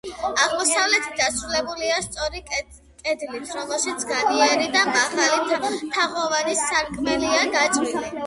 აღმოსავლეთით დასრულებულია სწორი კედლით, რომელშიც განიერი და მაღალი თაღოვანი სარკმელია გაჭრილი.